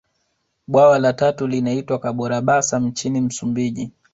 Bwawa la tatu linaitwa Kabora basa nchini Msumbiji